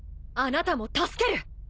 あなたも助ける！